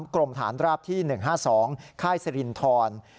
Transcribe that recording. กรมฐานราบที่๑๕๒ค่ายสรินทร